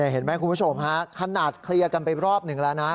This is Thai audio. เห็นไหมคุณผู้ชมฮะขนาดเคลียร์กันไปรอบหนึ่งแล้วนะ